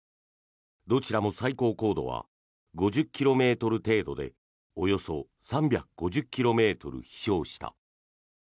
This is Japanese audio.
どちらも最高高度は５０ｋｍ程度でおよそ３５０ｋｍ飛翔した。